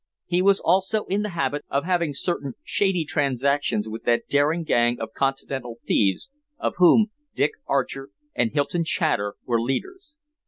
He was also in the habit of having certain shady transactions with that daring gang of continental thieves of whom Dick Archer and Hylton Chater were leaders.